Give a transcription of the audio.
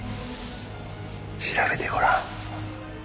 調べてごらん。